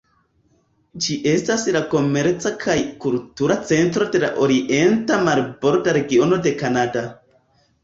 Ĝi estas la komerca kaj kultura centro de la orienta marborda regiono de Kanada.